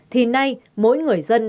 thì nay mỗi người dân đã nhận thức